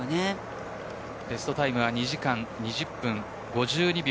ベストタイムは２時間２０分５２秒。